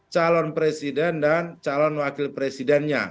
calon presiden dan calon wakil presidennya